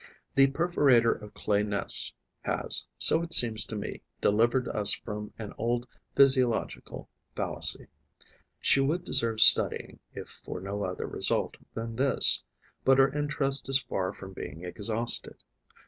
The perforator of clay nests has, so it seems to me, delivered us from an old physiological fallacy. She would deserve studying, if for no other result than this; but her interest is far from being exhausted.